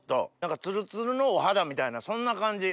ツルツルのお肌みたいなそんな感じ。